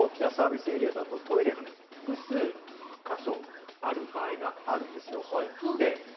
大きなサービスエリアだと、トイレが複数か所ある場合があるんですよ。